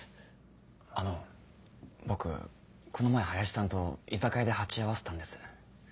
あの僕この前林さんと居酒屋で鉢合わせたんです。